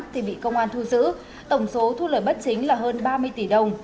thì bị công an thu giữ tổng số thu lời bất chính là hơn ba mươi tỷ đồng